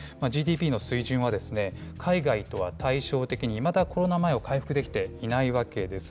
ＧＤＰの水準は海外とは対照的に、いまだコロナ前を回復できていないわけです。